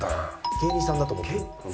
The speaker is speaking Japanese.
芸人さんだと思ってる。